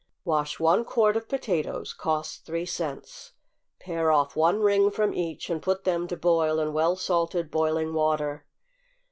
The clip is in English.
= Wash one quart of potatoes, (cost three cents,) pare off one ring from each, and put them to boil in well salted boiling water.